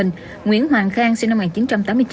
nguyễn hoàng khang sinh năm một nghìn chín trăm tám mươi chín